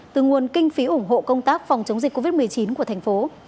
từ nguồn kinh phí ủng hộ công tác phòng chống dịch covid một mươi chín của thành phố